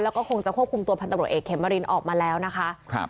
แล้วก็คงจะควบคุมตัวพันธบรวจเอกเขมรินออกมาแล้วนะคะ